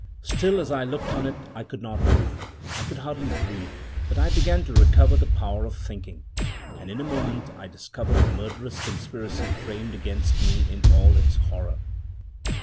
Still, as I looked on it, I could not move, I could hardly breathe, but I began to recover the power of thinking, and in a moment I discovered the murderous conspiracy framed against me in all its horror.